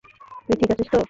তুই ঠিক আছিস তো?